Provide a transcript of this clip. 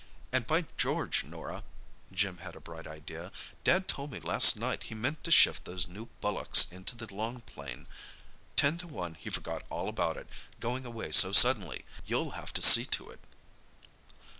And, by George, Norah"—Jim had a bright idea—"Dad told me last night he meant to shift those new bullocks into the Long Plain. Ten to one he forgot all about it, going away so suddenly. You'll have to see to it."